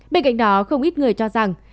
bên cạnh đó không ít người cho rằng